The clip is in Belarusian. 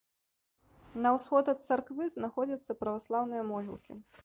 На ўсход ад царквы знаходзяцца праваслаўныя могілкі.